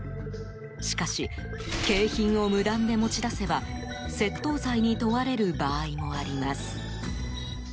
しかし、景品を無断で持ち出せば窃盗罪に問われる場合もあります。